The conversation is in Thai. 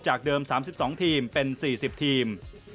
เดิม๓๒ทีมเป็น๔๐ทีม